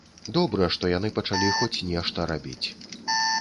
Добра, што яны пачалі хоць нешта рабіць.